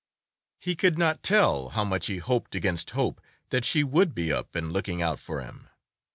He could not tell how much he hoped against hope that she would be up and looking out for him.